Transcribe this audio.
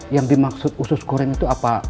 yang dimaksud usus goreng itu apa